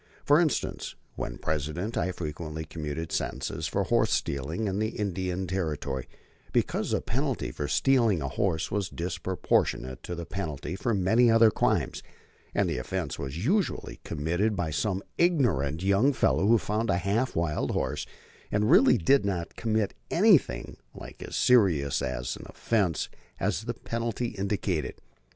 For instance, when President, I frequently commuted sentences for horse stealing in the Indian Territory because the penalty for stealing a horse was disproportionate to the penalty for many other crimes, and the offense was usually committed by some ignorant young fellow who found a half wild horse, and really did not commit anything like as serious an offense as the penalty indicated.